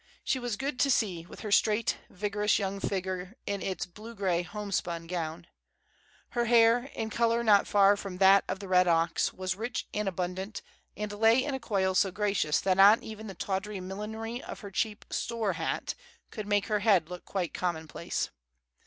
She was good to see, with her straight, vigorous young figure in its blue gray homespun gown. Her hair, in color not far from that of the red ox, was rich and abundant, and lay in a coil so gracious that not even the tawdry millinery of her cheap "store" hat could make her head look quite commonplace.